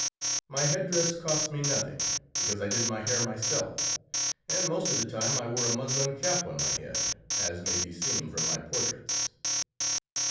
My head dress cost me nothing, because I did my hair myself, and most of the time I wore a muslin cap on my head, as may be seen from my portraits.